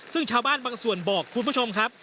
ซึ่งชาวบ้านบางส่วนบอกคุณผู้ชมครับ